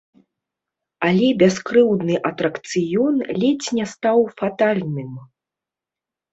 Але бяскрыўдны атракцыён ледзь не стаў фатальным.